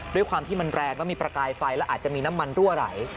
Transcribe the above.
ด้วยความที่มันแรงแล้วมีประกายไฟแล้วอาจจะมีน้ำมันรั่วไหล